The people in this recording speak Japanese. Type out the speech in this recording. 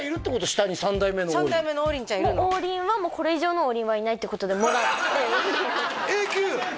下に三代目の王林王林はこれ以上の王林はいないってことでもらって永久？